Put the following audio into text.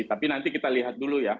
tapi nanti kita lihat dulu ya